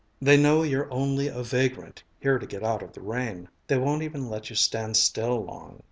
"They know you're only a vagrant, here to get out of the rain. They won't even let you stand still long."